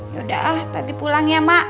yaudah tati pulang ya mak